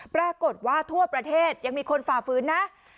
ปรากฏว่าทั่วประเทศยังมีคนฝ่าฝืนนะ